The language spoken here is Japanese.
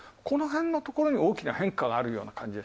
このへんのところに大きな変化があるような。